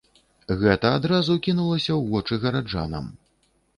Гэта адразу кінулася ў вочы гараджанам.